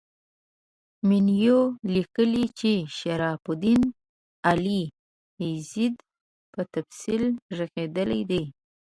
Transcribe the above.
مینوي لیکي چې شرف الدین علي یزدي په تفصیل ږغېدلی دی.